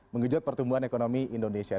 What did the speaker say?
mengenjut pertumbuhan ekonomi indonesia